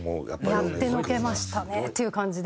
やってのけましたねっていう感じで。